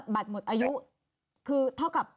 บัตรหมดอายุคือเท่ากับ